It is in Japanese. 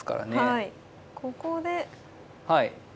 はい。